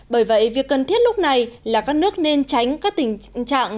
bởi vậy việc cần thiết lúc này là các nước nên tránh các tình trạng